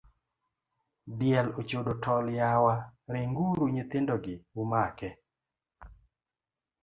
Diel ochodo tol yawa, ringuru nyithindogi umake.